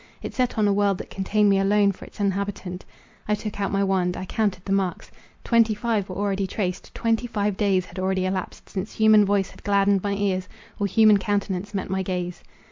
It set on a world that contained me alone for its inhabitant. I took out my wand—I counted the marks. Twenty five were already traced—twenty five days had already elapsed, since human voice had gladdened my ears, or human countenance met my gaze.